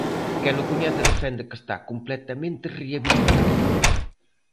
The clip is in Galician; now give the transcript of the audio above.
Quen o coñece defende que está "completamente rehabilitado".